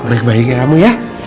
baik baik ya kamu ya